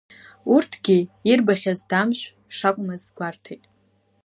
Урҭгьы ирбахьаз Дамшә шакәмыз гәарҭеит.